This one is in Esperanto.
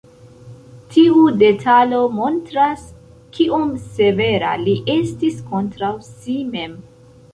Tiu detalo montras, kiom severa li estis kontraŭ si mem.